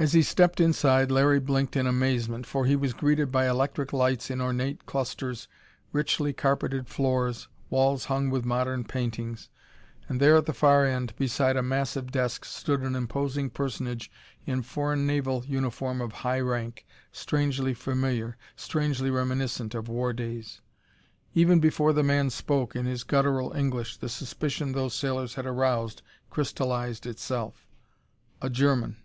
As he stepped inside, Larry blinked in amazement, for he was greeted by electric lights in ornate clusters, richly carpeted floors, walls hung with modern paintings and there at the far end, beside a massive desk, stood an imposing personage in foreign naval uniform of high rank, strangely familiar, strangely reminiscent of war days. Even before the man spoke, in his guttural English, the suspicion those sailors had aroused crystallized itself. A German!